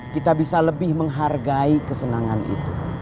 kita bisa lebih menghargai kesenangan itu